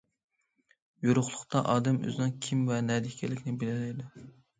يورۇقلۇقتا، ئادەم ئۆزىنىڭ كىم ۋە نەدە ئىكەنلىكىنى بىلەلەيدۇ.